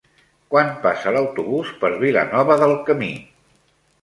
Quan passa l'autobús per Vilanova del Camí?